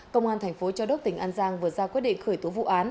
công an tp châu đốc tỉnh an giang vừa ra quyết định khởi tố vụ án